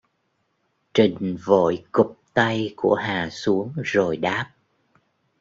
Trình vội cụp tay của Hà xuống rồi đáp